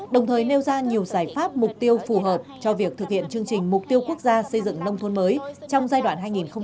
đồng thời nêu ra nhiều giải pháp mục tiêu phù hợp cho việc thực hiện chương trình mục tiêu quốc gia xây dựng nông thôn mới trong giai đoạn hai nghìn hai mươi một hai nghìn hai mươi